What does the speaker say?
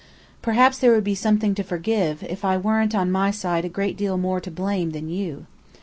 "Perhaps there would be something to forgive, if I weren't on my side a great deal more to blame than you.